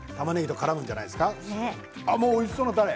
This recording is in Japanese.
もうおいしそうな、たれ。